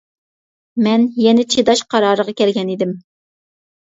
مەن يەنە چىداش قارارىغا كەلگەن ئىدىم.